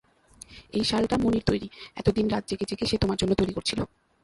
এই শালটা মণির তৈরি, এতদিন রাত জেগে জেগে সে তোমার জন্যে তৈরি করছিল।